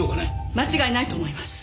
間違いないと思います。